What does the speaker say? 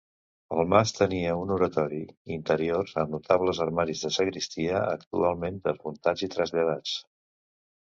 El mas tenia un oratori interior amb notables armaris de sagristia, actualment desmuntats i traslladats.